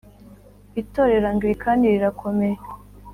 Itorero Anglikane rirakomeye.